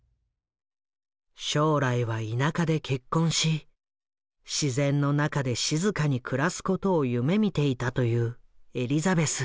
将来は田舎で結婚し自然の中で静かに暮らすことを夢みていたというエリザベス。